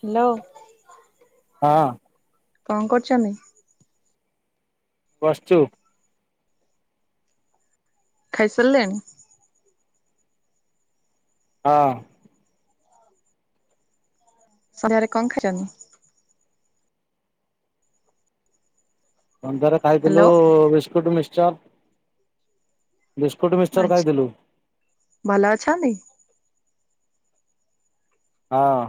Hello. ହଁ। କଣ କରୁଚନ୍ତି? ବସଚୁ। ଖାଇସାରିଲେଣି? ହଁ। ସନ୍ଧ୍ୟାରେ କଣ ଖାଇଛନ୍ତି? ସନ୍ଧ୍ୟାରେ ଖାଇଥିଲୁ hello biscuit, mixture. Biscuit, mixture ଆଚ୍ଛା ଖାଇଥିଲୁ। ଭଲ ଅଛନ୍ତି? ହଁ।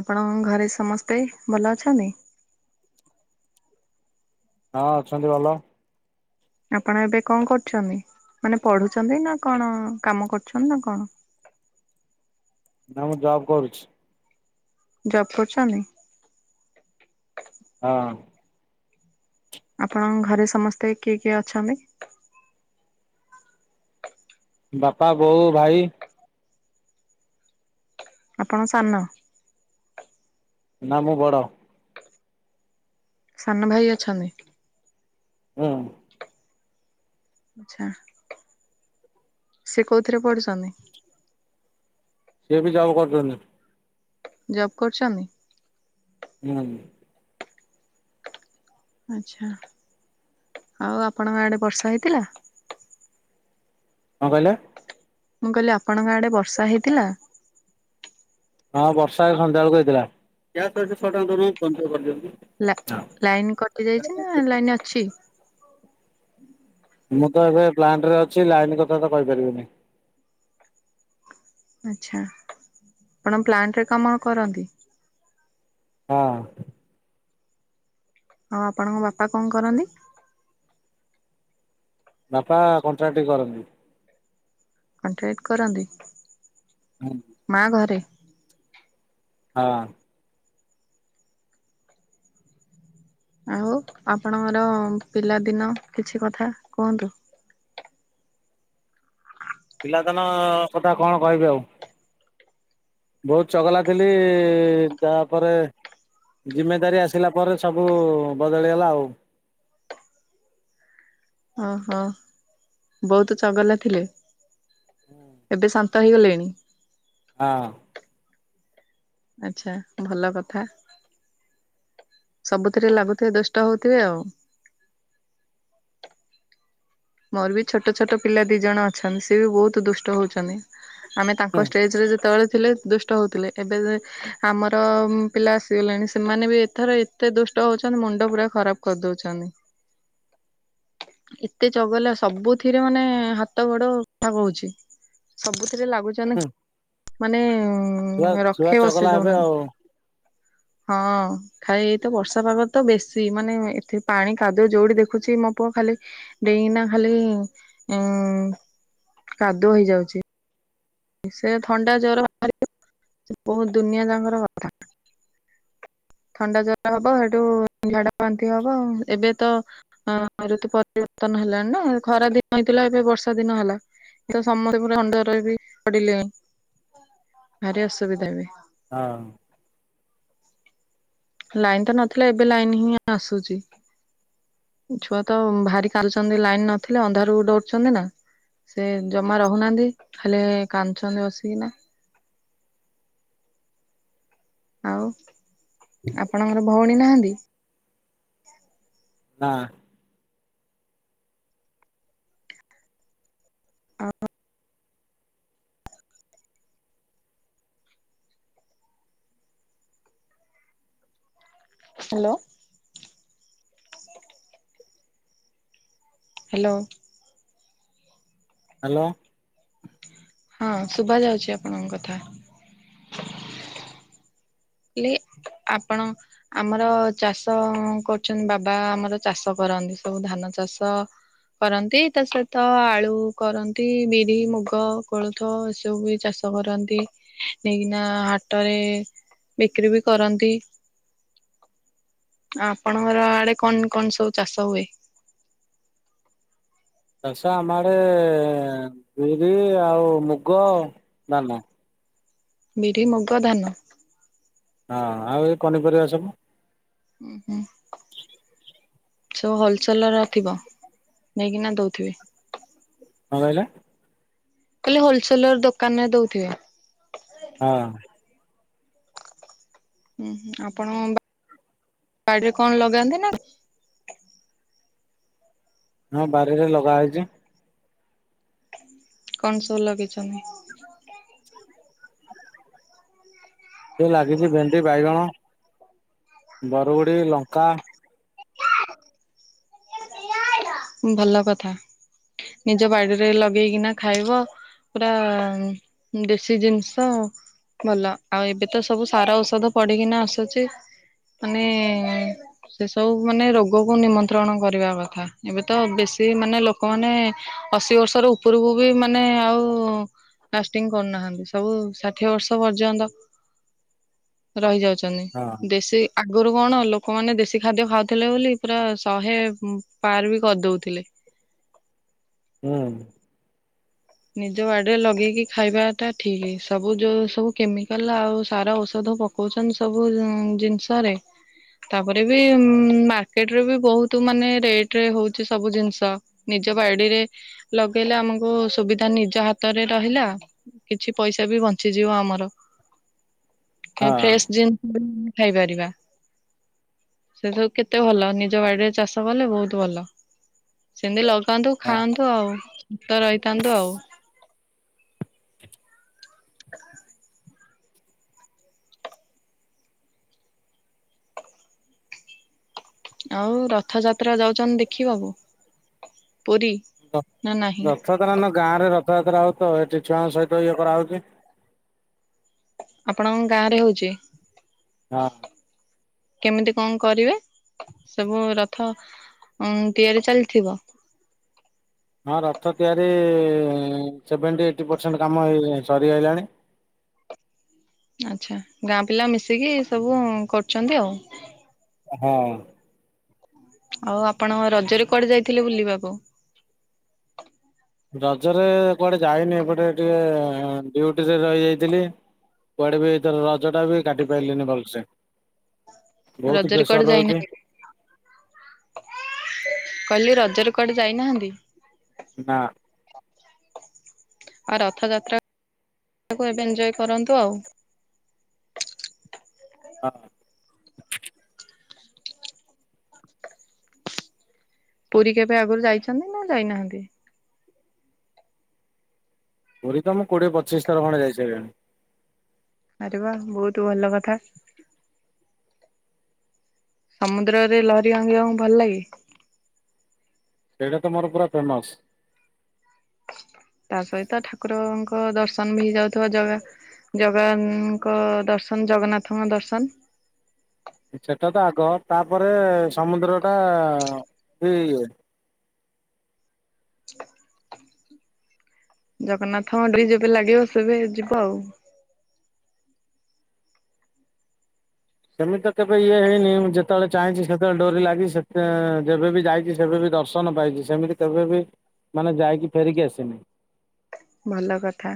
ଆପଣ ଘରେ ସମସ୍ତେ ଭଲ ଅଛନ୍ତି? ହଁ, ଅଛନ୍ତି ଭଲ। ଆପଣ ଏବେ କଣ କରୁଛନ୍ତି? ମାନେ ପଢୁଛନ୍ତି ନା କଣ କାମ କରୁଛନ୍ତି ନା କଣ? ନା, ମୁଁ ଜବ୍ କରୁଛି। ଜବ କରୁଚନ୍ତି? ହଁ। ଆପଣଙ୍କ ଘରେ ସମସ୍ତେ କିଏ କିଏ ଅଛନ୍ତି? ବାପା, ବୋଉ, ଭାଇ ଆପଣ ସାନ? ନା ମୁଁ ବଡ଼। ସାନ ଭାଇ ଅଛନ୍ତି? ହୁଁ। ଆଛା, ସେ କୋଉଥିରେ ପଢୁଛନ୍ତି? ସିଏ ବି ଯବ କରୁଛନ୍ତି। ଜବ୍ କରୁଛନ୍ତି? ହୁଁ। ଆଚ୍ଛା, ଆଉ ଆପଣଙ୍କ ଆଡେ ବର୍ଷା ହେଇଥିଲା? କଣ କହିଲେ? ମୁଁ କହିଲି ଆପଣଙ୍କ ଆଡେ ବର୍ଷା ହେଇଥିଲା? ହଁ ବର୍ଷା ଏ ସନ୍ଧ୍ୟା ବେଳକୁ ହେଇଥିଲା, ୟା ସହିତ ଶହେ ଟଙ୍କା ଦଉନାହାନ୍ତି ଫୋନ୍ ପେ କରିଦିଅନ୍ତି। ଲା ଲାଇନ କଟି ଯାଇଛି ନା ଲାଇନ ଅଛି? ମୁଁ ତ ଏବେ ପ୍ଲାଣ୍ଟ ରେ ଅଛି ଲାଇନ କଥା ତ କହିପାରିବିନି। ଆଚ୍ଛା, ଆପଣ ପ୍ଲାଣ୍ଟରେ କାମ କରନ୍ତି। ହଁ। ହଁ ଆପଣଙ୍କ ବାପା କଣ କରନ୍ତି? ବାପା କଣ୍ଟ୍ରାକ୍ଟି କରନ୍ତି। କଣ୍ଟ୍ରାକ୍ଟ କରନ୍ତି? ହୁଁ। ମା ଘରେ। ହଁ। ଆଉ ଆପଣଙ୍କର ପିଲାଦିନ କିଛି କଥା କୁହନ୍ତୁ? ପିଲାଦାନ କଥା କଣ କହିବି ଆଉ। ବହୁତ ଚଗଲା ଥିଲି, ତାପରେ ଜିମେଦାରି ଆସିଲା ପରେ ସବୁ ବଦଳିଗଲା ଆଉ। ଓହୋ ବହୁତ ଚଗଲା ଥିଲେ, ଏବେ ସାନ୍ ତହିଗଲେଣି। [unintelligible] ଆଚ୍ଛା ଭଲ କଥା। ସବୁଥିରେ ଲାଗୁଥିବେ ଦୁଷ୍ଟ ହଉଥିବେ ଆଉ। ମୋର ବି ଛୋଟ ଛୋଟ ପିଲା ଦି ଜଣ ଅଛନ୍ତି ସିଏ ବି ବହୁତ ଦୁଷ୍ଟ ହଉଛନ୍ତି। ଆମେ ହୁଁ ତାଙ୍କ ଷ୍ଟେଜ ରେ ଯେତେବେଳେ ଥିଲେ ଦୁସ୍ ଷ୍ଟ ହେଉଥିଲେ, ଏବେ ଆମର ପିଲା ଆସିଗଲେଣି ସେମାନେ ବି ଏଥର ଏ ଏତେ ଦୁଷ୍ଟ ହଉଛନ୍ତି ମୁଣ୍ଡ ପୁରା ଖରାପ କରିଦଉଛନ୍ତି। ଏତେ ଚଗଲା ସବୁଥିରେ ମାନେ ହାତ ଗୋଡ କଥା କହୁଛି। ସବୁଥିରେ ଲାଗୁଛନ୍ତି ହୁଁ ମାନେ, ଛୁଆ ମାନେ ଛୁଆ ରଖେଇ ବସେଇ ଚଗଲା ହେବେ ଦଉନା ଆଉ ହଁ। ଖାଇ ଏଇତ ବର୍ଷା ପାଗ ତ ବେଶୀ ମାନେ ଏଥି ପାଣି କାଦୁଅ ଯଉଠି ଦେଖୁଛି ମୋ ପୁଅ ଖାଲି ଡେଇନା ଖାଲି ଉଁ କାଦୁଅ ହେଇଯାଉଛି। ସେ ଥଣ୍ଡା ଜର [unintelligible] ସେ ବହୁତ ଦୁନିଆ ଯାଙ୍କର କଥା। ଥଣ୍ଡା ଜର ହବ, ହେଠୁ ଝାଡା ବାନ୍ତି ହବ, ଏବେ ତ ହଁ ଋତୁ ପରିବର୍ତ୍ତନ ହେଲାଣି ନା ଖରା ଦିନ ହେଇଥିଲା ଏବେ ବର୍ଷା ଦିନ ହେଲା। ତ ସମସ୍ତ ପୁର ଅଣ୍ଡ ରହିବି ପଡିଲେ ଭାରି ଅସୁବିଧା ବି ହଁ। ଲାଇନ ତ ନଥିଲା ଏବେ ଲାଇନ ହିଁ ଆସୁଚି। ଛୁଆ ତ ଭାରି କାଲୁଚନ୍ତି ଲାଇନ ନଥିଲେ ଅନ୍ଧାରକୁ ଡରୁଚନ୍ତି ନା। ସେ ଜମା ରହୁନାହାନ୍ତି ଖାଲି କାନ୍ଦୁଚନ୍ତି ବସିକିନା। ଆଉ ଆପଣଙ୍କର ଭଉଣୀ ନାହାନ୍ତି? ନାଁ। ହ୍ୟାଲୋ। ହ୍ୟାଲୋ। ହାଲୋ। ହଁ ଶୁବା ଯାଉଚି ଆପଣଙ୍କ କଥା। ଲେ ଆପଣ ଆମର ଚାଷ କରୁଚନ୍ତି ବାବା ଆମର ଚାଷ କରନ୍ତି ସବୁ ଧାନ ଚାଷ କରନ୍ତି ତା ସହିତ ଆଳୁ କରନ୍ତି ବିରି ମୁଗ କୋଳଥ ଏସବୁ ବି ଚାଷ ଚାଷ କରନ୍ତି। ନେଇକିନା ହାଟରେ ବିକ୍ରି ବି କରନ୍ତି। ଆପଣଙ୍କର ଆଡେ କଣ କଣ ସବୁ ଚାଷ ହୁଏ? ଚାଷ ଆମ ଆଡେ ବିରି ଆଉ ମୁଗ ଧାନ। ବିରି ମୁଗ ଧାନ। ହଁ ଆଉ ଏଇ ପନିପରିବା ସବୁ? ଉଁ ହୁଁ। ସବୁ ହଲ୍ ଚଲର ଥିବ ନେଇକିନା ଦଉଥିବେ? କଣ କହିଲେ? ମୁଁ କହିଲି ହୋଲସେଲର ଦୋକାନରେ ଦଉଥିବେ? ହଁ। ହୁଁ ଆପଣ ବାଡିରେ କଣ ଲଗାନ୍ତି ନା? ହଁ ବାରିରେ ଲଗା ହେଇଚି। କଣ ସବୁ ଲଗେଇଚନ୍ତି? ସେ ଲାଗିଚି ଭେଣ୍ଡି, ବାଇଗଣ, ବରଗୁଡି, ଲଙ୍କା। ଭଲ କଥା ନିଜ ବାଡିରେ ଲଗେଇକିନା ଖାଇବ ପୁରା ଦେଶୀ ଜିନିଷ। ଭଲ ଆଉ ଏବେ ତ ସବୁ ସାର ଔଷଧ ପଡିକିନା ଆସୁଚି। ମାନେ ସେସବୁ ମାନେ ରୋଗକୁ ନିମନ୍ତ୍ରଣ କରିବା କଥା। ଏବେ ତ ବେଶୀ ମାନେ ଲୋକମାନେ ଅଶୀ ବର୍ଷର ଉପରକୁ ବି ମାନେ ଆଉ ଲାଷ୍ଟିଂ କରୁନାହାନ୍ତି। ସବୁ ଷାଠିଏ ବର୍ଷ ପର୍ଯ୍ୟନ୍ତ ରହି ଯାଉଚନ୍ତି। ହଁ ଦେଶୀ ଆଗରୁ କଣ ଲୋକମାନେ ଦେଶୀ ଖାଦ୍ୟ ଖାଉଥିଲେ ବୋଲି ପୁରା ଶହେ ପାର ବି କରିଦଉଥିଲେ। ହୁଁ। ନିଜ ବାଡ଼ିରେ ଲଗେଇକି ଖାଇବା ଟା ଠିକ୍ ସବୁ ଯୋଉ ସବୁ କେମିକାଲ ଆଉ ସାରା ଔଷଧ ପ କୋଉଚନ୍ତି ସବୁ ଜିନିଷରେ ତାପରେ ବି ମାର୍କେଟରେ ବି ବହୁତ ମାନେ ରେଟ ରେ ହଉଚି ସବୁ ଜିନିଷ। ନିଜ ବାଡିରେ ଲଗେଇଲେ ଆମକୁ ସୁବିଧା ନିଜ ହାତରେ ରହିଲା କିଛି ପଇସା ବି ବଞ୍ଚିଯିବ ଆମର। ଟିକେ ହଁ ଫ୍ରେଶ [unintelligible] ଖାଇପାରିବା। ସେ ସବୁ କେତେ ଭଲ ନିଜ ବାଡିରେ ଚାଷ କଲେ ବହୁତ ଭଲ। ସେମିତି ଲଗାନ୍ତୁ ହଁ। ଖାଆନ୍ତୁ ଆଉ ସୁଥ ରହିଥାନ୍ତୁ ଆଉ। ଆଉ ରଥଯାତ୍ରା ଯାଉଛନ୍ତି ଦେଖିବାକୁ ପୁରୀ? ନା ନାହିଁ? ରଥଯାତ୍ରା ନ ଗାଁ ରେ ରଥଯାତ୍ରା ହଉ ତ ଏଠି ଛୁଆଙ୍କ ସହିତ ଇଏ କରାହେଉଛି। ଆପଣଙ୍କ ଗାଁ ରେ ହଉଛି? ହଁ। କେମିତି କଣ କରିବେ ସବୁ ରଥ ତିଆରି ଚାଲିଥିବ। ହଁ ରଥ ତିଆରି ସେଭେଣ୍ଟି ଏଇଟ୍ ପରସେଣ୍ଟ କାମ ସରିଆଇଲାନି। ଆଚ୍ଛା ଗାଁ ପିଲା ମିଶିକି ସବୁ କରୁଛନ୍ତି ଆଉ। ହଁ। ଆଉ ଆପଣ ରଜରେ କୁଆଡେ ଯାଇଥିଲେ ବୁଲିବାକୁ? ରଜରେ କୁଆଡେ ଯାଇନି ଏପଟେ ଟିକେ ଡ଼ିଉଟି ରେ ରହିଯାଇଥିଲି। କୁଆଡ଼େ ବି ଏଥର ରଜଟା ବି କାଟି ପାରିଲିନି ଭଲସେ ବହୁତ ପ୍ରେସର ରହୁଛି। କହିଲେ ରଜରେ କୁଆଡେ ଯାଇନାହାନ୍ତି। ନାଁ। ଆଉ ରଥ ଯାତ୍ରା କୁ ଏବେ ଏଞ୍ଜୟ୍ କରନ୍ତୁ ଆଉ। ହଁ। ପୁରୀ କେବେ ଆଗରୁ ଯାଇଛନ୍ତି ନା ଯାଇନାହାନ୍ତି? ପୁରୀ ତ ମୁଁ କୋଡ଼ିଏ ପଚିଶ ଥର ଖଣ୍ଡେ ଯାଇ ସାରିଲିଣି। ଆରେ ବା ବହୁତ ଭଲ କଥା। ସମୁଦ୍ରରେ ଲହରୀ ଭାଙ୍ଗିବାକୁ ଭଲ ଲାଗେ? ସେଇଟା ତ ମୋର ପୁରା ଫେମସ। ତା ସହିତ ଠାକୁରଙ୍କ ଦର୍ଶନ ବି ହେଇ ଯାଉଥିବା ଜଗା। ଜଗା ଙ୍କ ଦର୍ଶନ ଜଗନ୍ନାଥଙ୍କ ଦର୍ଶନ। ସେଟାତ ଆଗ ତାପରେ ସମୁଦ୍ର ଟା ଇଏ। ଜଗନ୍ନାଥଙ୍କ ଡୋରି ଯେବେ ଲାଗିବ ସେବେ ଯିବ ଆଉ। ସେମିତି ତ କେବେ ଇଏ ହେଇନି ମୁଁ ଯେତେବେଳେ ଚାହିଁଛି ସେତେବେଳେ ଡୋରି ଲାଗି ସେ ଯେବେ ବି ଯାଇଛି ସେବେବି ଦର୍ଶ ପାଇଛି ସେମିତି କେବେ ବି ମାନେ ଯାଇକି ଫେରିକି ଆସିନି। ଭଲ କଥା।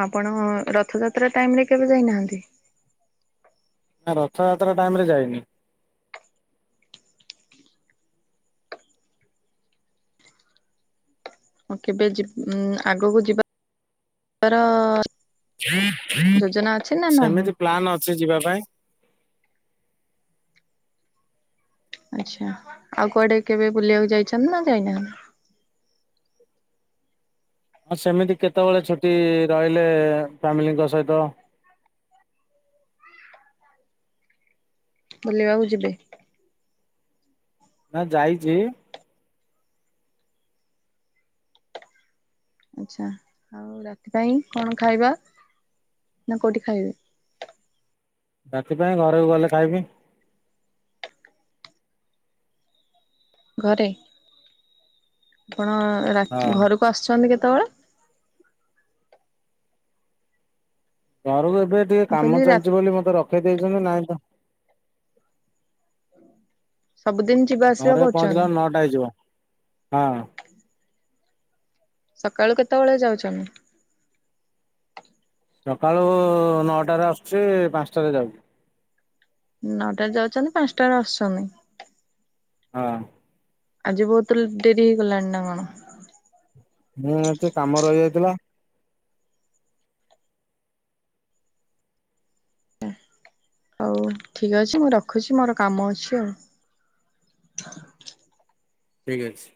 ଆପଣ ରଥଯାତ୍ରା ଟାଇମ ରେ କେବେ ଯାଇନାହାନ୍ତି? ନାଁ ରଥଯାତ୍ରା ଟାଇମ ରେ ଯାଇନି। ହଁ କେବେ ଯି ଆଗକୁ ଯିବାର ଯୋଜନା ଅଛି ନା ନାହିଁ? ସେମିତି ପ୍ଲାନ୍ ଅଛି ଯିବା ପାଇଁ। ଆଛା ଆଉ କୁଆଡେ କେବେ ବୁଲିବାକୁ ଯାଇଛନ୍ତି ନା ଯାଇନାହାନ୍ତି? ହଁ ସେମିତି କେତେବେଳେ ଛୁଟି ରହିଲେ ଫ୍ୟାମିଲିଙ୍କ ସହିତ ବୁଲିବାକୁ ଯିବେ। ନାଁ ଯାଇଛି। ଆଚ୍ଛା ଆଉ ରାତି ପାଇଁ କଣ ଖାଇବା ନା କୋଉଠି ଖାଇବେ? ରାତି ପାଇଁ ଘରକୁ ଗଲେ ଖାଇବି। ଘରେ ଆପଣ ହଁ ରାତ୍ ଘରକୁ ଆସୁଛନ୍ତି କେତେବେଳେ? ଘରକୁ ଏବେ ଟିକେ ମୁଁ କାମ କହିଲି ରା ଚାଲିଛି ବୋଲି ମତେ ରଖେଇ ଦେଇଛନ୍ତି ନାଇଁ ତ ସବୁଦିନ ଯିବା ଆସିବା କରୁଛନ୍? ପାଇଯିବ ହଁ। ସକାଳୁ କେତେବେଳେ ଯାଉଚନ୍ତି? ସକାଳୁ ନଅଟାରେ ଆସୁଛି ପାଞ୍ଚଟାରେ ଯାଉଚି। ନଅଟାରେ ଯାଉଛନ୍ତି ପାଞ୍ଚଟା ଆସୁଛନ୍ତି। ହଁ। ଆଜି ବୋହୁତ୍ ଲେ ଡେରି ହେଇ ଗଲାଣି ନା କଣ? ହୁଁ ଟିକେ କାମ ରହିଆଇଥିଲା। ହଉ ଠିକ୍ ଅଛି ମୁଁ ରଖୁଛି ମୋର କାମ ଅଛି ଆଉ। ଠିକ୍ ଅଛି।